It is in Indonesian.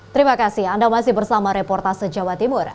terima kasih anda masih bersama reportase jawa timur